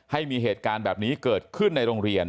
ให้มีเหตุการณ์แบบนี้เกิดขึ้นในโรงเรียน